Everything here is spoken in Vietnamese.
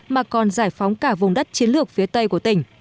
mà còn giải phóng cả vùng đất chiến lược phía tây của tỉnh